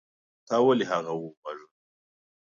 تا ولې هغه وواژه.